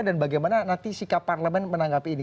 dan bagaimana nanti sikap parlemen menanggapi ini